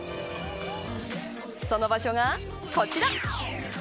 その場所がこちら。